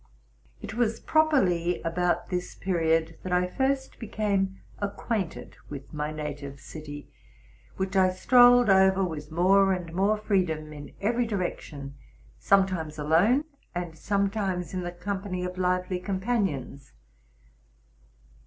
It was properly about this period that I first became acquainted with my native city, which I strolled over with nore and more freedom, in every direction, sometimes alone, and sometimes in the company of lively companions.